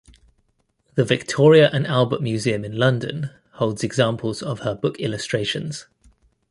The Victoria and Albert Museum in London holds examples of her book illustrations.